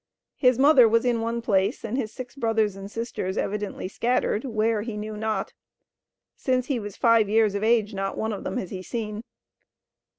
His mother was in one place, and his six brothers and sisters evidently scattered, where he knew not. Since he was five years of age, not one of them had he seen.